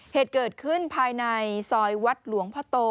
เหตุเกิดขึ้นภายในซอยวัดหลวงพ่อโต